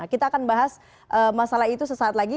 kita akan bahas masalah itu sesaat lagi